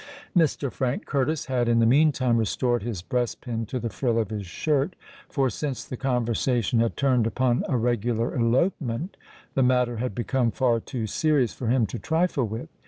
Mr. Frank Curtis had in the meantime restored his breast pin to the frill of his shirt; for, since the conversation had turned upon a regular elopement, the matter had become far too serious for him to trifle with.